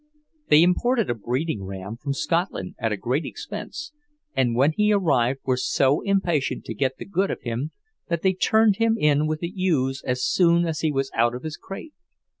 They imported a breeding ram from Scotland at a great expense, and when he arrived were so impatient to get the good of him that they turned him in with the ewes as soon as he was out of his crate.